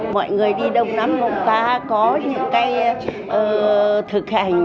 mọi người đi đông nắm mộng ca có những cái thực hành